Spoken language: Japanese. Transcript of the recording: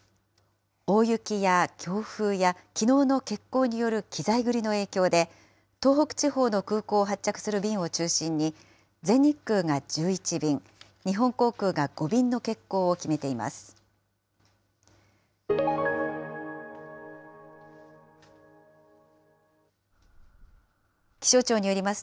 大雪や強風やきのうの欠航による機材繰りの影響で、東北地方の空港を発着する便を中心に全日空が１１便、日本航空が５便の欠航を決めています。